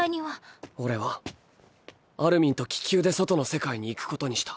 オレはアルミンと気球で外の世界に行くことにした。